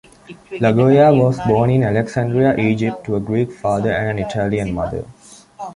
Lagoya was born in Alexandria, Egypt, to a Greek father and an Italian mother.